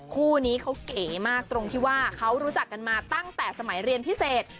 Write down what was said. คู่นี้เขาเก๋มากตรงที่ว่าเขารู้จักกันมาตั้งแต่สมัยเรียนพิเศษ